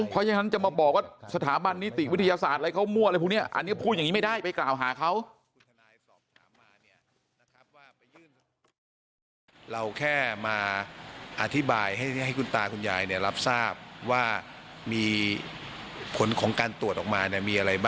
เพราะฉะนั้นจะมาบอกว่าสถาบันนิติวิทยาศาสตร์อะไรเขามั่วอะไรพวกเนี่ย